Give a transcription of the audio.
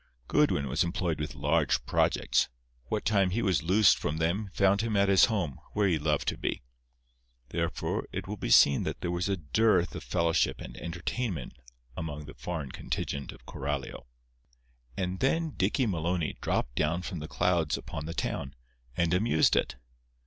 Goodwin was employed with large projects: what time he was loosed from them found him at his home, where he loved to be. Therefore it will be seen that there was a dearth of fellowship and entertainment among the foreign contingent of Coralio. And then Dicky Maloney dropped down from the clouds upon the town, and amused it.